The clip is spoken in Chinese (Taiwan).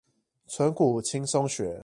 存股輕鬆學